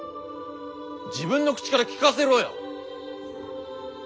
自分の口から聞かせろよ！